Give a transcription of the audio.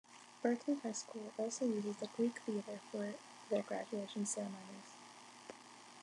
Berkeley High school also uses the Greek Theatre for their graduation ceremonies.